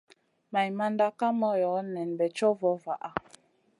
Maimanda Kay moyo nen bey co vo vaha.